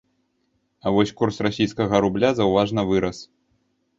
А вось курс расійскага рубля заўважна вырас.